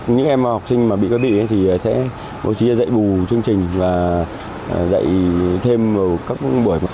những em học sinh mà bị có bị thì sẽ chỉ dạy bù chương trình và dạy thêm vào các buổi